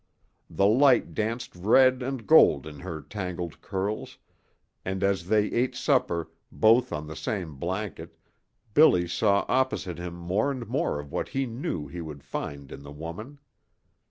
The light danced red and gold in her tangled curls, and as they ate supper, both on the same blanket, Billy saw opposite him more and more of what he knew he would find in the woman.